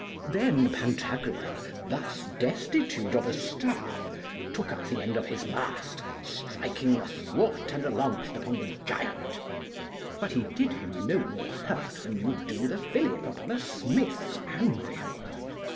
Then Pantagruel, thus destitute of a staff, took up the end of his mast, striking athwart and alongst upon the giant, but he did him no more hurt than you would do with a fillip upon a smith's anvil.